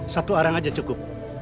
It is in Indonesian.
satu orang saja cukup